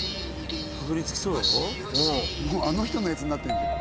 あの人のやつになってんじゃん。